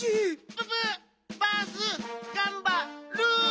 ププバースがんばる！